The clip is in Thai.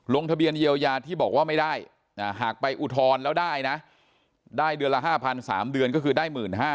ทะเบียนเยียวยาที่บอกว่าไม่ได้หากไปอุทธรณ์แล้วได้นะได้เดือนละ๕๐๐๓เดือนก็คือได้๑๕๐๐